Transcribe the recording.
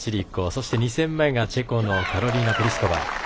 そして２戦目がチェコのカロリーナ・プリシュコバ。